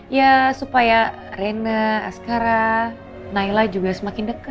iya supaya reina askara naila juga semakin dekat